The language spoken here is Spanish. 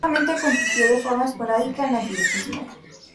Solamente compitió de forma esporádica en atletismo.